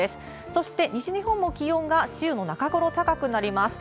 そして、西日本も気温が週の中頃、高くなります。